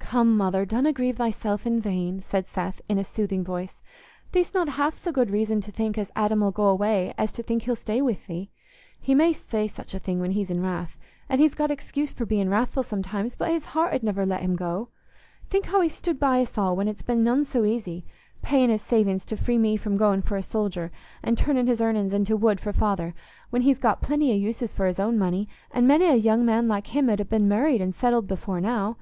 "Come, Mother, donna grieve thyself in vain," said Seth, in a soothing voice. "Thee'st not half so good reason to think as Adam 'ull go away as to think he'll stay with thee. He may say such a thing when he's in wrath—and he's got excuse for being wrathful sometimes—but his heart 'ud never let him go. Think how he's stood by us all when it's been none so easy—paying his savings to free me from going for a soldier, an' turnin' his earnin's into wood for father, when he's got plenty o' uses for his money, and many a young man like him 'ud ha' been married and settled before now.